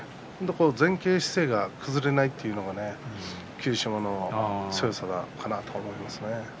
前傾姿勢が崩れないというのが霧島の強さかなと思います。